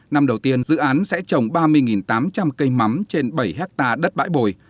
năm đầu tiên dự án sẽ trồng ba mươi tám trăm linh cây mắm trên bảy hectare đất bãi bồi